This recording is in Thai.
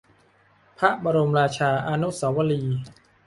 พระบรมราชาอนุสาวรีย์